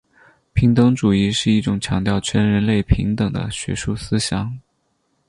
平等主义是一种强调全人类平等的学术思想。